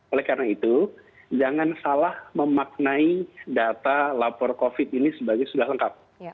oleh karena itu jangan salah memaknai data lapor covid ini sebagai sudah lengkap